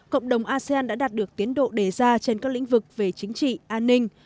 cộng đồng asean đã đạt được tiến độ đề ra trên các lĩnh vực về chính trị an ninh